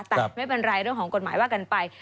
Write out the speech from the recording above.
แต่ไม่เป็นไรเรื่องของกฎหมายว่ากันไป